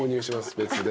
別で。